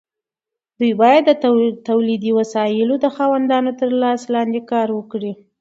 دوی باید د تولیدي وسایلو د خاوندانو تر لاس لاندې کار وکړي.